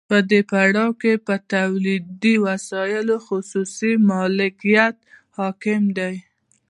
په دې پړاو کې په تولیدي وسایلو خصوصي مالکیت حاکم دی